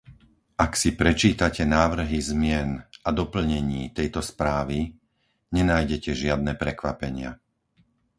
Ak si prečítate návrhy zmien a doplnení tejto správy, nenájdete žiadne prekvapenia.